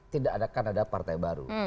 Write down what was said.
tidak akan ada partai baru